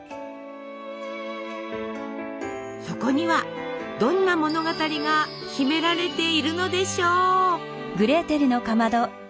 そこにはどんな物語が秘められているのでしょう！